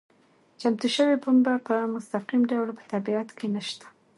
چمتو شوې پنبه په مستقیم ډول په طبیعت کې نشته.